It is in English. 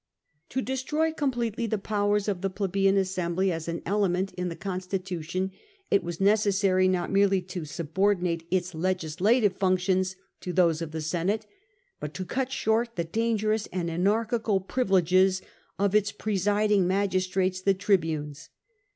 To destroy completely the powers of the Plebeian as sembly as an element in the constitution, it was necessary not merely to subordinate its legislative functions to those of the Senate, but to cut short the dangerous and anarchical privileges of its presiding magistrates, the tribunes.